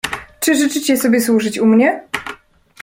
"Czy życzycie sobie służyć u mnie?"